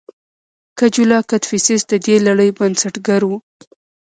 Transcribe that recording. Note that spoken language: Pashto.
کجولا کدفیسس د دې لړۍ بنسټګر و